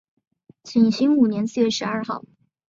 景兴五年四月十二日。